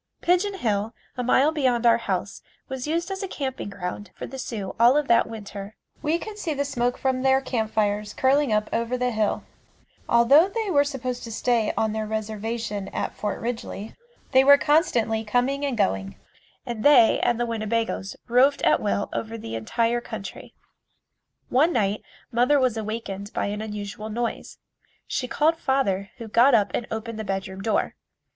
Pigeon Hill, a mile beyond our house was used as a camping ground for the Sioux all of that winter. We could see the smoke from their campfires curling up over the hill, although they were supposed to stay on their reservation at Fort Ridgely they were constantly coming and going and they and the Winnebagoes roved at will over the entire country. One night mother was awakened by an unusual noise. She called father, who got up and opened the bedroom door.